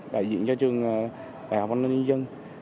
đại diện cho trường đại học văn lâm nhân dân